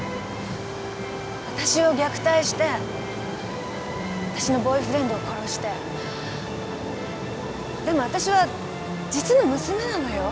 あたしを虐待してあたしのボーイフレンドを殺してでもあたしは実の娘なのよ？